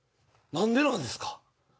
何でなんですか